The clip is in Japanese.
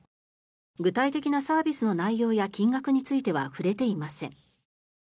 具体的なサービスの内容や金額については触れていません。